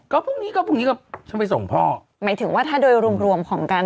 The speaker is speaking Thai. ก็พรุ่งนี้ก็พรุ่งนี้ก็ฉันไปส่งพ่อหมายถึงว่าถ้าโดยรวมรวมของกัน